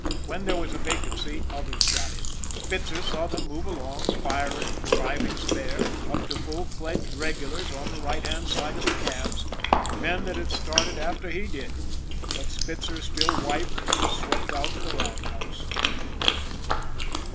When there was a vacancy others got it. Spitzer saw them move along, firing, driving spare, up to full fledged regulars on the right hand side of the cabs, men that had started after he did; but Spitzer still wiped and swept out the round house.